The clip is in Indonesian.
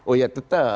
oh ya tetap